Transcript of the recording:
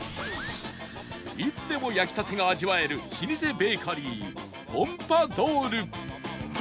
いつでも焼き立てが味わえる老舗ベーカリーポンパドウル